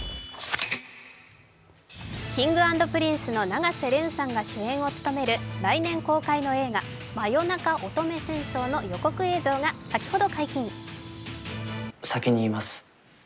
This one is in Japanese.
Ｋｉｎｇ＆Ｐｒｉｎｃｅの永瀬廉さんが主演を務める来年公開の映画「真夜中乙女戦争」が先ほど解禁。